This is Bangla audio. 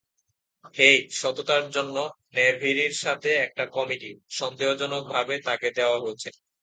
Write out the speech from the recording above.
হেই, সততার জন্য, ন্যাভেরির সাথে, একটা কমেডি, সন্দেহ জনকভাবে তাকে দেয়া হয়েছে।